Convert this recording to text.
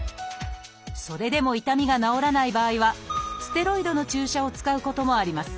それでも痛みが治らない場合はステロイドの注射を使うこともあります。